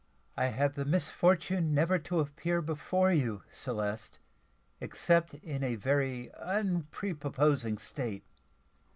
"I have the misfortune never to appear before you, Celeste, except in a very unprepossessing state.